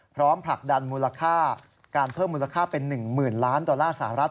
ผลักดันมูลค่าการเพิ่มมูลค่าเป็น๑๐๐๐ล้านดอลลาร์สหรัฐ